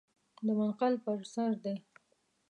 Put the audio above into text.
د منقل پر سر دی .